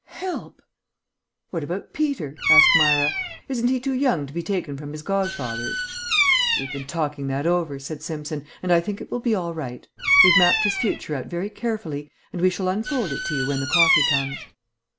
"Help!" "What about Peter?" asked Myra. "Isn't he too young to be taken from his godfathers?" "We've been talking that over," said Simpson, "and I think it will be all right. We've mapped his future out very carefully and we shall unfold it to you when the coffee comes."